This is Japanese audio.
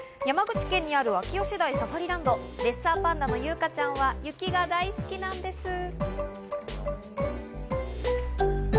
山口県にある秋吉台サファリランド、レッサーパンダの優香ちゃんは雪が大好きなんです。